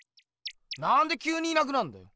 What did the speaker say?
なんできゅうにいなくなんだよ！